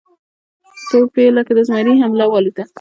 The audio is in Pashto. توپ یې لکه د زمري حمله والوته